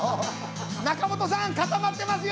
「中本さん固まってますよ！